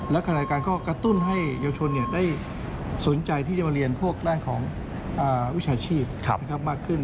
และขณะเดียวกันก็กระตุ้นให้เยาวชนได้สนใจที่จะมาเรียนพวกด้านของวิชาชีพมากขึ้น